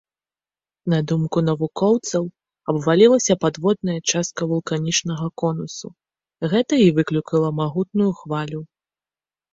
На думку навукоўцаў, абвалілася падводная частка вулканічнага конусу, гэта і выклікала магутную хвалю.